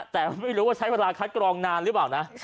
แต่ไม่รู้ว่าใช้เวลาคัดกรองนานหรือเปล่านะ